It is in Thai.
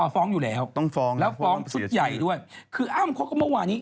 ฟ้องอยู่แล้วแล้วฟ้องสุดใหญ่ด้วยคืออ้ามโค้กเมื่อวานี้